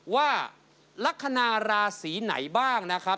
ว่าลักษณะราศีไหนบ้างนะครับ